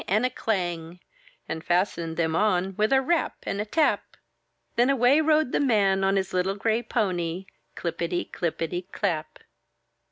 and a clang ! and fastened them on with a rap ! and a tap ! Then away rode the man on his little gray pony, — clippety, clippety, clap!